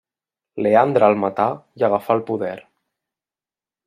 Leandre el matà i agafà el poder.